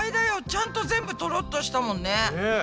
ちゃんと全部トロっとしたもんね。ね。